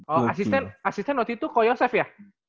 oh asisten asisten waktu itu ko yosef ya